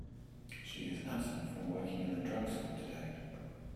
She is absent from working in the drug store today.